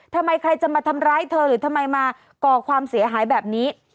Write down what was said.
ทำไมใครจะมาทำร้ายเธอหรือทำไมมาก่อความเสียหายแบบนี้